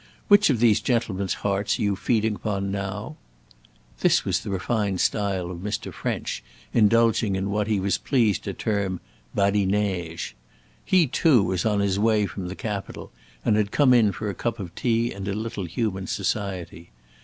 Which of these gentlemen's hearts are you feeding upon now?" This was the refined style of Mr. French, indulging in what he was pleased to term "badinaige." He, too, was on his way from the Capitol, and had come in for a cup of tea and a little human society.